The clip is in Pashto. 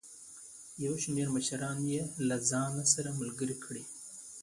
یو شمېر مشران یې له ځان سره ملګري کړي.